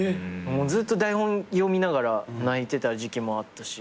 ずっと台本読みながら泣いてた時期もあったし。